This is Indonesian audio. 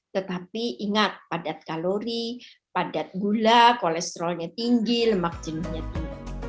tetapi ingat padat kalori padat gula kolesterolnya tinggi lemak jenuhnya tinggi